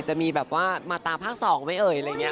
จะมีแบบว่ามาตาภาค๒ไม่เอ่ยอะไรอย่างนี้